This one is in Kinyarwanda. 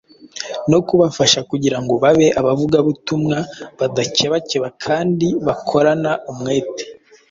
no kubafasha kugira ngo babe abavugabutumwa badakebakeba kandi bakorana umwete.